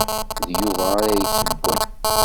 D Yuba ara yessewwen.